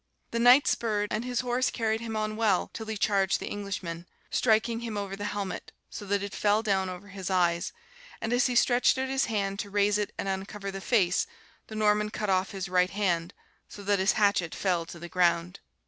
The knight spurred, and his horse carried him on well till he charged the Englishman, striking him over the helmet, so that it fell down over his eyes; and as he stretched out his hand to raise it and uncover the face, the Norman cut off his right hand, so that his hatchet fell to the ground.